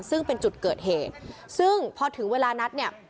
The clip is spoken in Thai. ซึ่งเป็นจุดเกิดเหตุซึ่งพอถึงเวลานัดเนี่ย